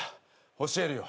教えるよ。